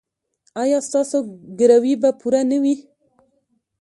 ایا ستاسو ګروي به پوره نه وي؟